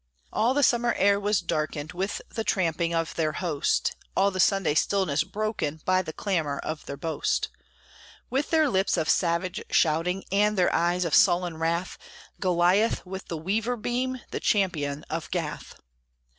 All the summer air was darkened With the tramping of their host; All the Sunday stillness broken By the clamor of their boast. With their lips of savage shouting, And their eyes of sullen wrath, Goliath, with the weaver beam, The champion of Gath.